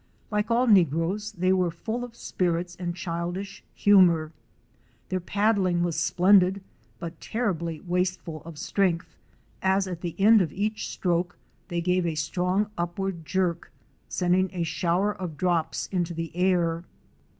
Like all negroes they were full of spirits and childish humor. Their paddling was splendid but terribly wasteful of strength, as at the end of cach stroke they gave a strong upward jerk, sending a shower of drops into the air.